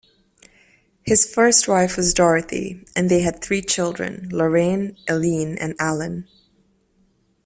His first wife was Dorothy and they had three children, Lorraine, Eileen and Alan.